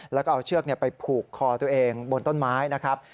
แล้วก็เอาเชือกไปผูกคอตัวเองบนต้นไม้นะครับ